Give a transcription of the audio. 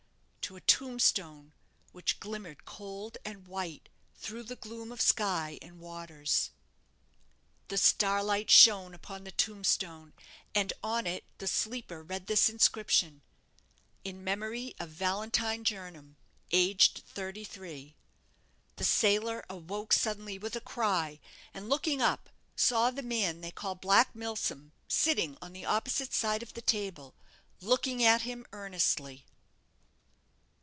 To a tombstone, which glimmered cold and white through the gloom of sky and waters. The starlight shone upon the tombstone, and on it the sleeper read this inscription "In memory of Valentine Jernam, aged 33." The sailor awoke suddenly with a cry, and, looking up, saw the man they called Black Milsom sitting on the opposite side of the table, looking at him earnestly.